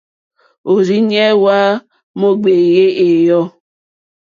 Òrzìɲɛ́ hwá mò ŋɡbèé ɛ̀yɔ̂.